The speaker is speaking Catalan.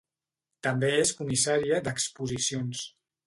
També és comissària d'exposicions.